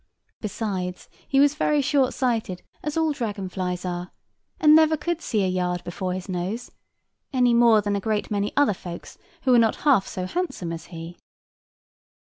Besides, he was very short sighted, as all dragon flies are; and never could see a yard before his nose; any more than a great many other folks, who are not half as handsome as he.